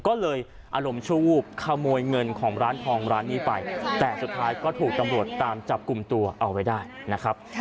ก็เลยอารมณ์ชูวูบขโมยเงินของร้านทองร้านนี้ไปแต่สุดท้ายก็ถูกตำรวจตามจับกลุ่มตัวเอาไว้ได้นะครับ